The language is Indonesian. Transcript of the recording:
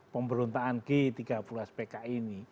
pemberontakan g tiga puluh spk ini